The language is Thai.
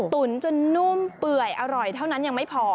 ตุ๋นจนนุ่มเปื่อยอร่อยเท่านั้นยังไม่พอ